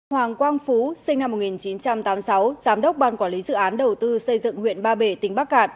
hoàng quang phú sinh năm một nghìn chín trăm tám mươi sáu giám đốc ban quản lý dự án đầu tư xây dựng huyện ba bể tỉnh bắc cạn